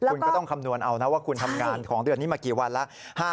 คุณก็ต้องคำนวณเอานะว่าคุณทำงานของเดือนนี้มากี่วันแล้ว